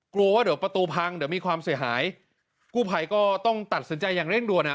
กลัวว่าเดี๋ยวประตูพังเดี๋ยวมีความเสียหายกู้ภัยก็ต้องตัดสินใจอย่างเร่งด่วนอ่ะ